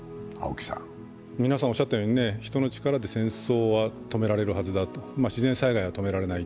皆さんおっしゃったように人の力で戦争は止められるはずだ自然災害は止められない。